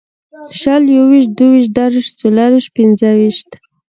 شل یوویشت دوهویشت درویشت څلېرویشت پنځهویشت